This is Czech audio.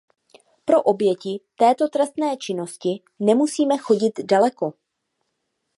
Pro oběti této trestné činnosti nemusíme chodit daleko.